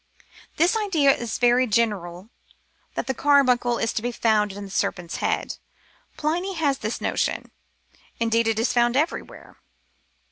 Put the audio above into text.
This idea is very general — that the carbuncle is to be found in a serpent's head. Pliny has this notion ; indeed it is found everywhere.